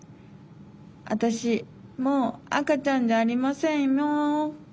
あたしもうあかちゃんじゃありませんよう。